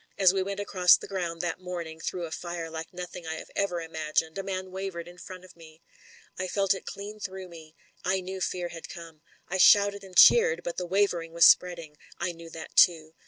"As we went across the ground that morning through a fire like nothing I had ever imagined, a man wavered in front of me. I felt it dean through me. I knew fear had come. I shouted and cheered — ^but the wavering was spreading ; I knew that too.